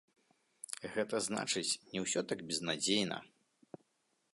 Гэта значыць, не ўсё так безнадзейна.